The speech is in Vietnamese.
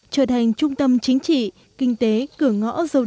trở thành trung tâm chính trị kinh tế cửa ngõ dầu đèn